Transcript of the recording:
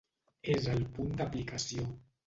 És el punt d'aplicació.